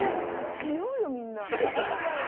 しようよ、みんな。